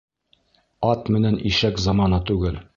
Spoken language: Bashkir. Ат менән ишәк заманы түгел